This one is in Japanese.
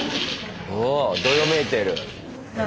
おどよめいてる。